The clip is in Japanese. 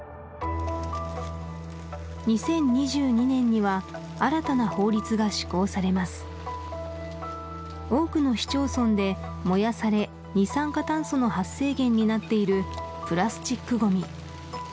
２０２２年には新たな法律が施行されます多く市町村で燃やされ二酸化炭素の発生源になっているプラスチックごみ